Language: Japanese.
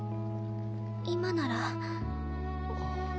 今なら。